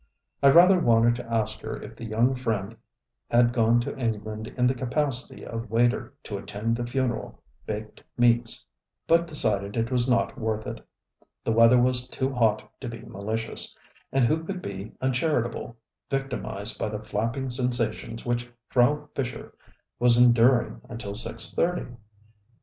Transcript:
I rather wanted to ask her if the young friend had gone to England in the capacity of waiter to attend the funeral baked meats, but decided it was not worth it. The weather was too hot to be malicious, and who could be uncharitable, victimised by the flapping sensations which Frau Fischer was enduring until six thirty?